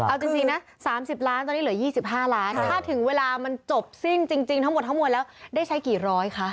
เอาจริงนะ๓๐ล้านตอนนี้เหลือ๒๕ล้านถ้าถึงเวลามันจบสิ้นจริงทั้งหมดทั้งมวลแล้วได้ใช้กี่ร้อยคะ